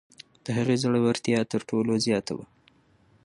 د هغې زړورتیا تر ټولو زیاته وه.